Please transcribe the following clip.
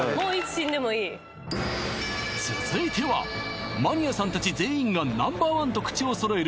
続いてはマニアさんたち全員がＮｏ．１と口を揃える